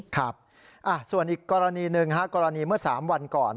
ครับส่วนอีกกรณีหนึ่งกรณีเมื่อ๓วันก่อน